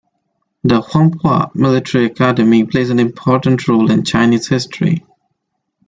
The Whampoa Military Academy plays an important role in Chinese history.